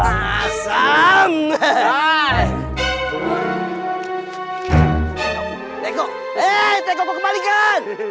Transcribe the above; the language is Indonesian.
eh dego dego kembalikan